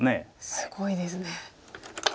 すごいですね。